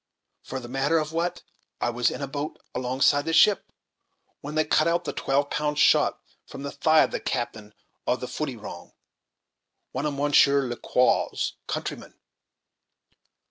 For the matter of that, I was in a boat, alongside the ship, when they cut out the twelve pound shot from the thigh of the captain of the Foodyrong, one of Mounsheer Ler Quaw's countrymen!"